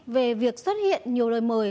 về việc xuất hiện nhiều lời mời